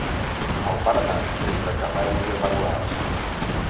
El paredat és de carreus irregulars.